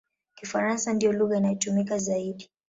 Kifaransa ndiyo lugha inayotumika zaidi.